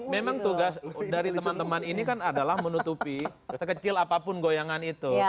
memang tugas dari teman teman ini kan adalah menutupi sekecil apapun goyangan itu